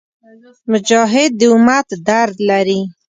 مجاهد د امت درد لري.